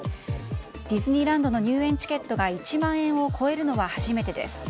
ディズニーランドの入園チケットが１万円を超えるのは初めてです。